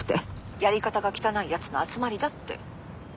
やり方が汚いやつの集まりだって。